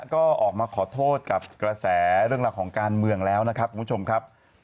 ก็ออกมาขอโทษกับกระแสเรื่องราวของการเมืองแล้วนะครับคุณผู้ชมครับ